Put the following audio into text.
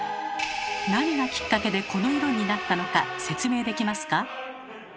何がきっかけでこの色になったのか説明できますか？